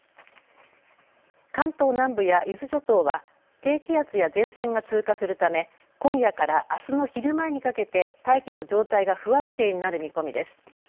関東南部や伊豆諸島は低気圧や前線が通過するため今夜からあすの昼前にかけて大気の状態が不安定になる見込みです。